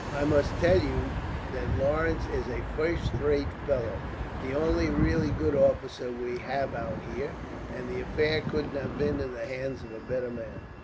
I must tell you that Lawrence is a first rate fellow, the only really good officer we have out here, and the affair couldn't have been in the hands of a better man.